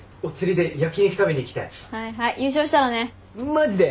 マジで？